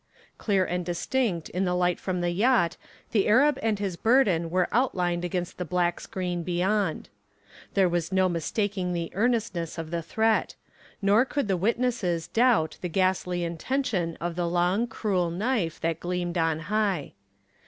Clear and distinct in the light from the yacht the Arab and his burden were outlined against the black screen beyond. There was no mistaking the earnestness of the threat, nor could the witnesses doubt the ghastly intention of the long, cruel knife that gleamed on high.